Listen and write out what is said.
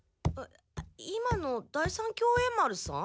今の第三協栄丸さん？